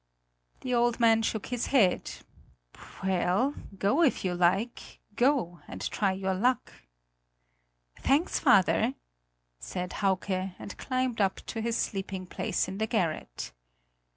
The old man shook his head: "Well, go if you like; go and try your luck!" "Thanks, father!" said Hauke, and climbed up to his sleeping place in the garret.